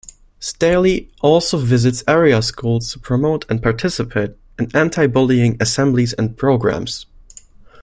Staley also visits area schools to promote and participate in anti-bullying assemblies and programs.